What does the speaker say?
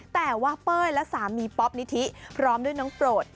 แต่ว่าเป้ยและสามีป๊อปนิธิพร้อมด้วยน้องโปรด